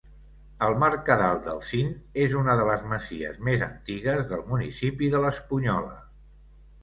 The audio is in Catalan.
El Mercadal del Cint és una de les masies més antigues del municipi de l'Espunyola.